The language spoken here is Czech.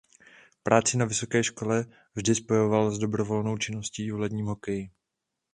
Práci na vysoké škole vždy spojoval s dobrovolnou činností v ledním hokeji.